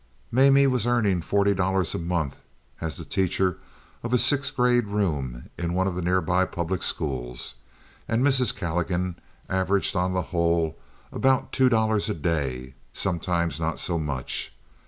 Mamie was earning forty dollars a month as the teacher of a sixth grade room in one of the nearby public schools, and Mrs. Calligan averaged on the whole about two dollars a day—sometimes not so much.